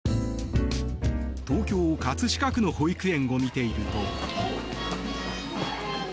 東京・葛飾区の保育園を見ていると。